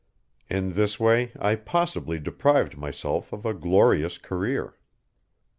In this way I possibly deprived myself of a glorious career.